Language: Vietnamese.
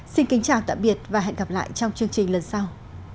xin kính chào tạm biệt và hẹn gặp lại trong chương trình lần sau